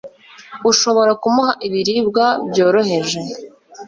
ushobora kumuha ibiribwa byoroheje